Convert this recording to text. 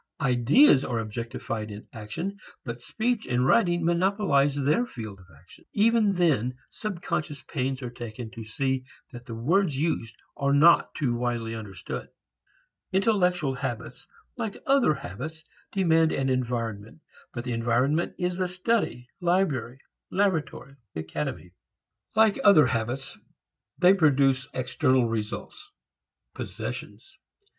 Ideas are objectified in action but speech and writing monopolize their field of action. Even then subconscious pains are taken to see that the words used are not too widely understood. Intellectual habits like other habits demand an environment, but the environment is the study, library, laboratory and academy. Like other habits they produce external results, possessions.